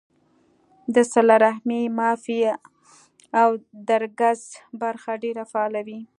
د صله رحمۍ ، معافۍ او درګذر برخه ډېره فعاله وي